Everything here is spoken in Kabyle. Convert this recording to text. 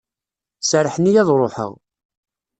Serrḥen-iyi ad d-ruḥeɣ.